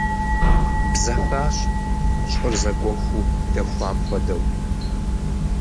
Бзэхащ, щӀыр зэгуэхуу дэхуам хуэдэу.